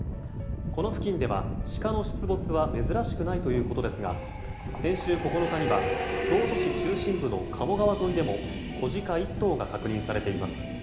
この付近ではシカの出没は珍しくないということですが先週９日には京都市中心部の鴨川沿いでも子ジカ１頭が確認されています。